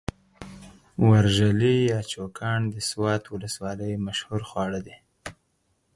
ورژلي يا چوکاڼ د سوات ولسوالۍ مشهور خواړه دي.